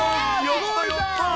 やったやった！